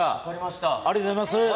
ありがとうございます。